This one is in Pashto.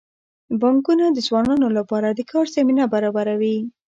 بانکونه د ځوانانو لپاره د کار زمینه برابروي.